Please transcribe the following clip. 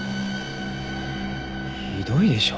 ひどいでしょ？